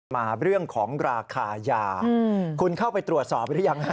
มาเรื่องของราคายาคุณเข้าไปตรวจสอบหรือยังฮะ